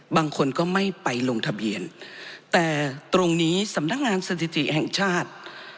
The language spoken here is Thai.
บางคนก็ไม่ไปลงทะเบียนแต่ตรงนี้สำนักงานสถิติแห่งชาติ